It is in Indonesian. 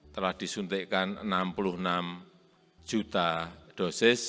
telah disuntikkan enam puluh enam juta dosis